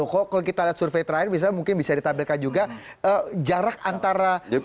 kalau kita lihat survei terakhir bisa ditampilkan juga jarak antara satu dan dua dengan tiga puluh empat